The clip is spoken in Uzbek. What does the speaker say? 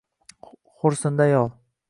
Xo‘rsindi ayol.